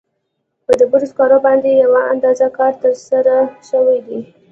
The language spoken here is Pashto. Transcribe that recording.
په ډبرو سکرو باندې یو اندازه کار ترسره شوی دی.